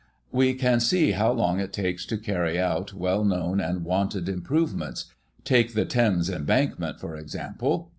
We can see how long it .takes to carry out well known and wanted improvements — take the Thames Embankment for example.